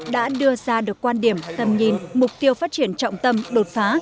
đã đưa ra được quan điểm tầm nhìn mục tiêu phát triển trọng tâm đột phá